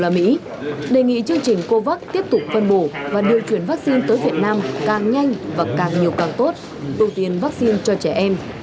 đề nghị chương trình covax tiếp tục phân bổ và điều chuyển vaccine tới việt nam càng nhanh và càng nhiều càng tốt ưu tiên vaccine cho trẻ em